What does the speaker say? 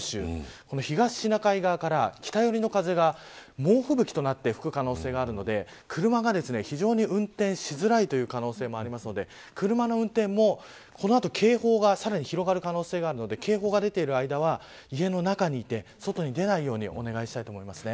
この東シナ海側から東北寄りの風が猛吹雪となって吹く可能性があるので車が非常に運転しづらい可能性もあるので車の運転も、この後警報がさらに広がる可能性があるので警報が出ている間は家の中にいて外に出ないようにお願いします。